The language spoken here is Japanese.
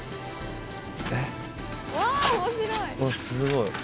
すごい。